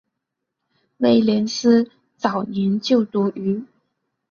威廉斯早年就读于。